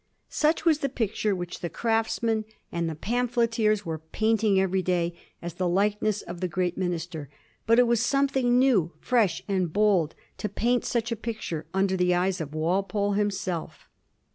Such was the picture which the Craftsman and the pamphleteers were painting every day as the likeness of the great minister; but it was some thing new, fresh, and bold to paint such a picture under the eyes of Walpole himself.